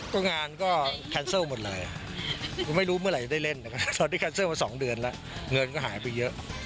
ก็งานก็แคนเซิลหมดเลยไม่รู้เมื่อไหร่จะได้เล่นตอนที่แคนเซิลมา๒เดือนแล้วเงินก็หายไปเยอะ